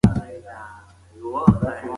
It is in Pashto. ارامه فضا د ماشوم سکون زیاتوي.